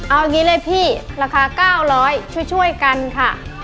เอาอย่างงี้เลยพี่ราคาเก้าร้อยช่วยช่วยกันค่ะ